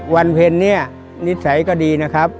วันเพ็ญเนี่ยนิสัยก็ดีนะครับ